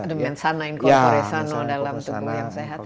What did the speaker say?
ada mensana inco koresano dalam tubuh yang sehat